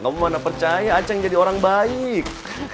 kamu mana percaya aceh jadi orang baik